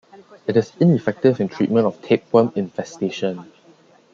It is ineffective in treatment of tapeworm infestation.